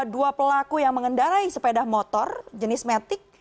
dua pelaku yang mengendarai sepeda motor jenis matic